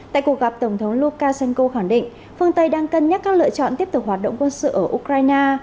tại cuộc gặp tổng thống lukashenko khẳng định phương tây đang cân nhắc các lựa chọn tiếp tục hoạt động quân sự ở ukraine